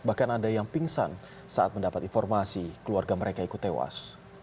bahkan ada yang pingsan saat mendapat informasi keluarga mereka ikut tewas